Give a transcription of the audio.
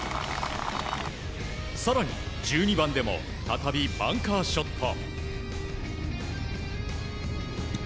更に、１２番でも再びバンカーショット。